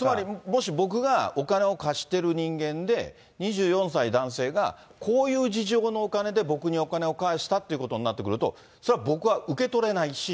つまりもし僕がお金を貸してる人間で、２４歳男性がこういう事情のお金で僕にお金を返したということになってくると、それは僕は受け取れないし。